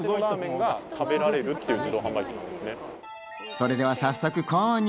それでは早速購入。